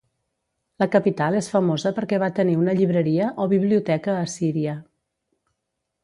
La capital és famosa perquè va tenir una llibreria o biblioteca assíria.